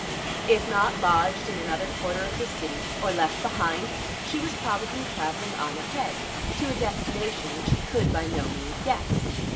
If not lodged in another quarter of the city, or left behind, she was probably traveling on ahead, to a destination which he could by no means guess.